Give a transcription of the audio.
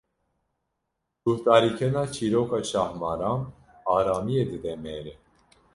Guhdarîkirina çîroka şahmaran, aramiyê dide mere.